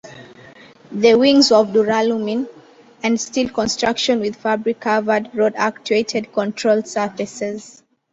The wings were of duralumin and steel construction with fabric-covered rod-actuated control surfaces.